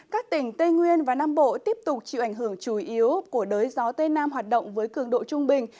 các tỉnh tây nguyên và nam bộ tiếp tục chịu ảnh hưởng chủ yếu của đới gió tây nam hoạt động với cường độ trung bình